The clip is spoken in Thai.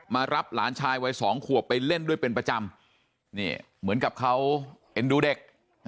มารับหลานชายวัยสองขวบไปเล่นด้วยเป็นประจำนี่เหมือนกับเขาเอ็นดูเด็ก